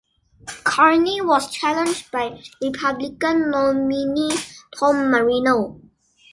Carney was challenged by Republican nominee Tom Marino.